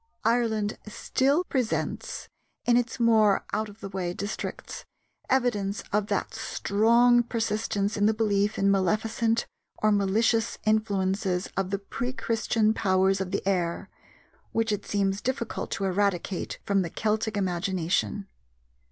Ireland still presents, in its more out of the way districts, evidence of that strong persistence in the belief in maleficent or malicious influences of the pre Christian powers of the air, which it seems difficult to eradicate from the Celtic imagination.